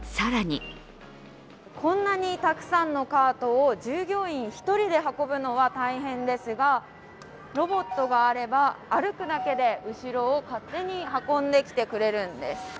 こんなにたくさんのカートを従業員１人で運ぶのは大変ですが、ロボットがあれば歩くだけで後ろを勝手に運んできてくれるんです。